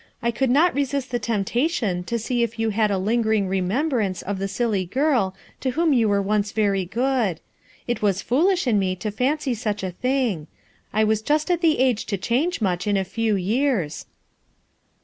I could not resist the tempta tion to see if you had a lingering remembrance 18D 190 RUTH ERSKINE'S SON of the silly girl to whom you were once very good. It was foolish in me to fancy such a thing. I was just at the age to change much in a few years."